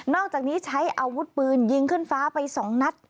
อกจากนี้ใช้อาวุธปืนยิงขึ้นฟ้าไป๒นัด